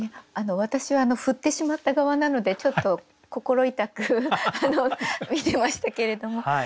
私は振ってしまった側なのでちょっと心痛く見てましたけれども。